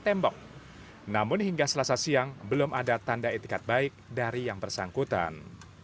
tembok namun hingga selasa siang belum ada tanda etikat baik dari yang bersangkutan